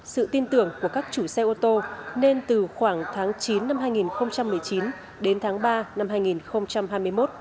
sự tin tưởng của các chủ xe ô tô nên từ khoảng tháng chín năm hai nghìn một mươi chín đến tháng ba năm hai nghìn hai mươi một